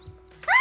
あ！